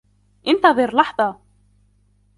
انتظر لحظة.